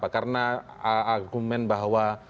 karena argumen bahwa